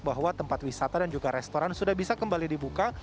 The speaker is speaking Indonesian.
bahwa tempat wisata dan juga restoran sudah bisa kembali dibuka